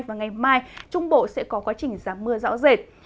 và ngày mai trung bộ sẽ có quá trình giảm mưa rõ rệt